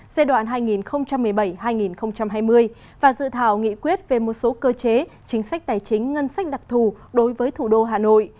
giai đoạn hai nghìn một mươi bảy hai nghìn hai mươi và dự thảo nghị quyết về một số cơ chế chính sách tài chính ngân sách đặc thù đối với thủ đô hà nội